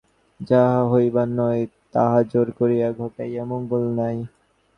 যাহা হইবার নয় তাহা জোর করিয়া ঘটাইয়া মঙ্গল নাই।